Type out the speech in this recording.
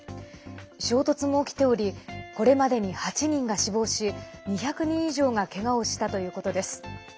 衝突も起きておりこれまでに８人が死亡し２００人以上がけがをしたということです。